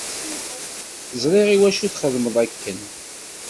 Ẓriɣ iwacu txedmeḍ akken.